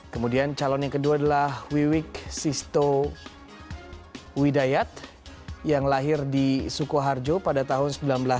kemudian calon yang kedua adalah wiwik sisto widayat yang lahir di sukoharjo pada tahun seribu sembilan ratus sembilan puluh